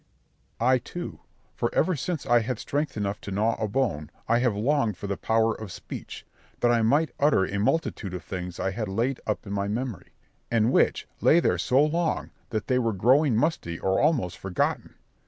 And I, too; for ever since I had strength enough to gnaw a bone I have longed for the power of speech, that I might utter a multitude of things I had laid up in my memory, and which lay there so long that they were growing musty or almost forgotten.